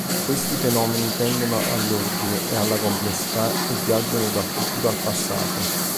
Questi fenomeni tendono all'ordine e alla complessità e viaggiano dal futuro al passato.